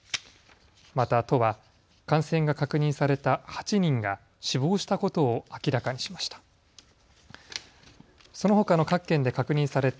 また都は感染が確認された８人が死亡したことを明らかにしました。